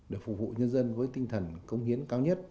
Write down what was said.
để phục vụ nhân dân với tinh thần công hiến cao nhất